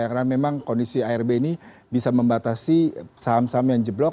karena memang kondisi arb ini bisa membatasi saham saham yang jeblok